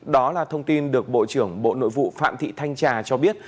đó là thông tin được bộ trưởng bộ nội vụ phạm thị thanh trà cho biết